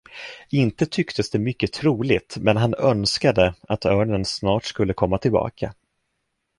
Inte tycktes det mycket troligt, men han önskade, att örnen snart skulle komma tillbaka.